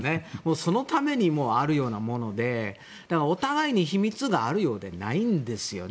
そのためにあるようなものでお互いに秘密があるようでないんですよね。